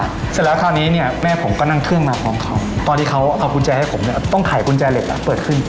เสร็จแล้วคราวนี้เนี้ยแม่ผมก็นั่งเครื่องมาพร้อมเขาตอนที่เขาเอากุญแจให้ผมเนี่ยต้องไขกุญแจเหล็กอ่ะเปิดขึ้น